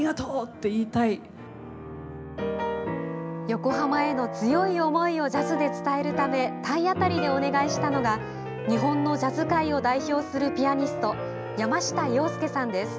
横浜への強い思いをジャズで伝えるため体当たりでお願いしたのが日本のジャズ界を代表するピアニスト、山下洋輔さんです。